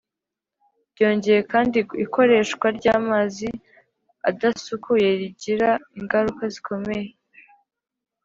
byongeye kandi ikoreshwa ry'amazi adasukuye rigira ingaruka zikomeye